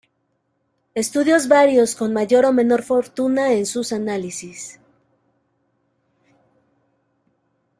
Estudios varios con mayor o menor fortuna en sus análisis